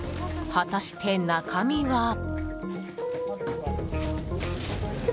果たして中身は。